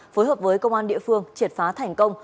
phối hợp với công an địa phương triệt phá thành công